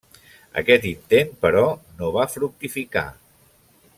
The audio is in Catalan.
Aquest intent, però, no va fructificar.